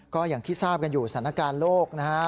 ก็อย่างที่ทราบกันอยู่สถานการณ์โลกนะฮะ